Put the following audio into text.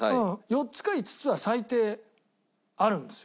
４つか５つは最低あるんですよ